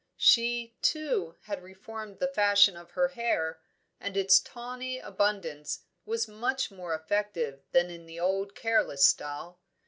She, too, had reformed the fashion of her hair, and its tawny abundance was much more effective than in the old careless style.